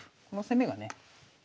この攻めがね